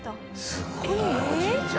すごいなおじいちゃん。